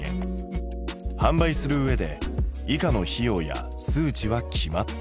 販売するうえで以下の費用や数値は決まっている。